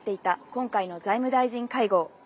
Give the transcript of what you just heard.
今回の財務大臣会合。